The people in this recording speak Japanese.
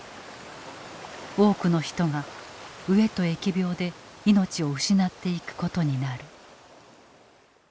多くの人が飢えと疫病で命を失っていくことになる。